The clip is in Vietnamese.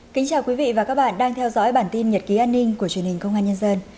chào mừng quý vị đến với bản tin nhật ký an ninh của truyền hình công an nhân dân